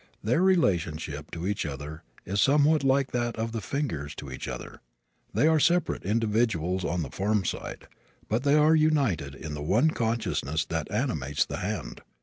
Their relationship to each other is somewhat like that of the fingers to each other they are separate individuals on the form side but they are united in the one consciousness that animates the hand.